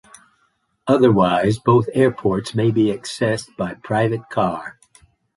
Otherwise both airports may be accessed by private car.